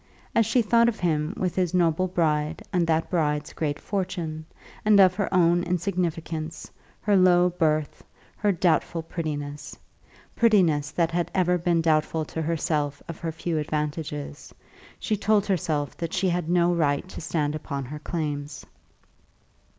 As she thought of him with his noble bride and that bride's great fortune, and of her own insignificance, her low birth, her doubtful prettiness, prettiness that had ever been doubtful to herself, of her few advantages, she told herself that she had no right to stand upon her claims.